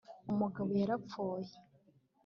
Umugabo yarapfuye